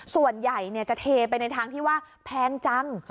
ส่วนใหญ่จะเทไปในทางที่ว่าแพงจัง